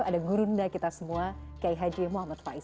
ada gurunda kita semua k h m fais